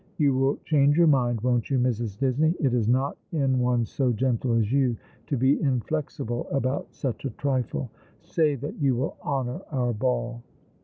You will change your mind, won't you, Mrs. Disney ? It is not in one so gentle as you to be inflexible about such a trifle. Say that you will honour our ball."